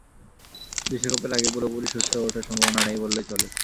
বিশ্বকাপের আগে পুরোপুরি সুস্থ হয়ে ওঠার সম্ভাবনা নেই বললেই চলে।